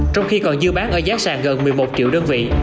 trong khi còn dư bán ở giá sàng gần một mươi một triệu đồng